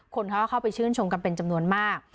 คนเขาก็เข้าไปชื่นชมกันเป็นจำนวนมาก